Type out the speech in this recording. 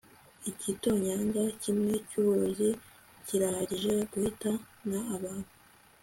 igitonyanga kimwe cyuburozi kirahagije guhitana abantu